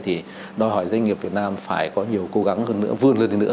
thì đòi hỏi doanh nghiệp việt nam phải có nhiều cố gắng vươn lên nữa